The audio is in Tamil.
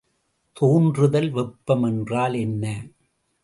தோன்றுதல் வெப்பம் என்றால் என்ன?